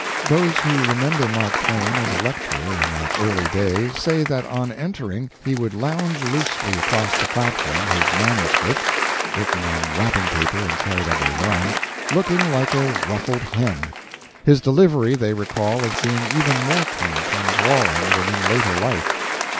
Those who remember Mark Twain as a lecturer in that early day say that on entering he would lounge loosely across the platform, his manuscript written on wrapping paper and carried under his arm looking like a ruffled hen. His delivery they recall as being even more quaint and drawling than in later life.